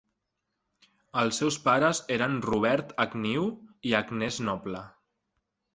Els seus pares eren Robert Agnew i Agnes Noble.